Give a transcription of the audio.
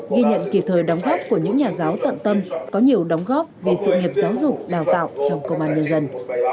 ghi nhận kịp thời đóng góp của những nhà giáo tận tâm có nhiều đóng góp vì sự nghiệp giáo dục đào tạo trong công an nhân dân